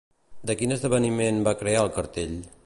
De quin esdeveniment va crear el cartell?